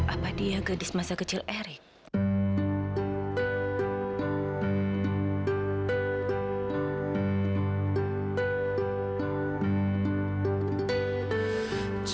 apa apa dia gadis masa kecil erik